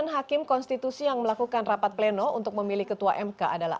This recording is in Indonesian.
sembilan hakim konstitusi yang melakukan rapat pleno untuk memilih ketua mk adalah